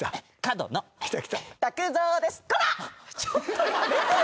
ちょっとやめてよ。